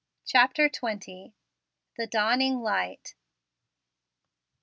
CHAPTER XX. THE DAWNING LIGHT.